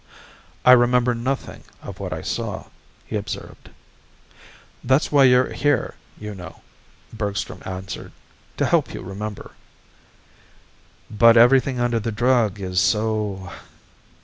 "I remember nothing of what I saw," he observed. "That's why you're here, you know," Bergstrom answered. "To help you remember." "But everything under the drug is so